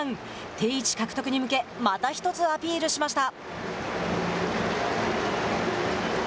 定位置獲得に向けまた一つアピールしました。